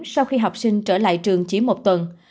sau khi học sinh trở lại trường chỉ một tuần